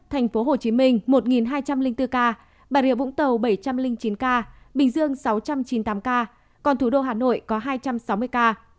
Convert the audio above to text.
thành phố hồ chí minh một hai trăm linh bốn ca bà rịa vũng tàu bảy trăm linh chín ca bình dương sáu trăm chín mươi tám ca còn thủ đô hà nội có hai trăm sáu mươi ca